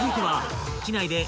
はい。